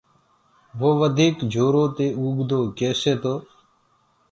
وو وڌيڪ زورو دي اوگدوئي ڪيسي تو